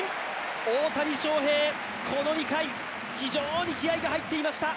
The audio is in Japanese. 大谷翔平、この２回、非常に気合いが入っていました。